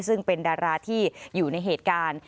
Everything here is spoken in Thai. ซึ่งเป็นดาราที่อยู่ในเหตุการณ์